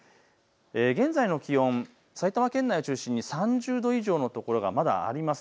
現在の気温、埼玉県内を中心に３０度以上の所がまだあります。